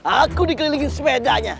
aku dikelilingin sepedanya